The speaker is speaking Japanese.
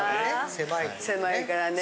狭いからね。